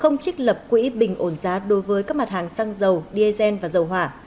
không trích lập quỹ bình ổn giá đối với các mặt hàng xăng dầu diesel và dầu hỏa